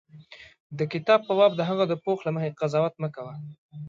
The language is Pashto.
د کتاب په باب د هغه د پوښ له مخې قضاوت مه کوه.